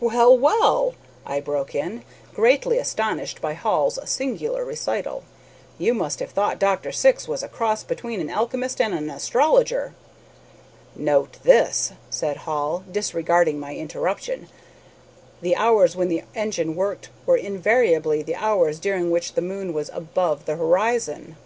"Well! well!" I broke in, greatly astonished by Hall's singular recital, "you must have thought Dr. Syx was a cross between an alchemist and an astrologer." "Note this," said Hall, disregarding my interruption, "the hours when the engine worked were invariably the hours during which the moon was above the horizon!"